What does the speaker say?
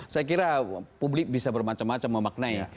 saya kira publik bisa bermacam macam memaknai